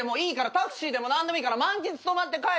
タクシーでも何でもいいから漫喫泊まって帰って。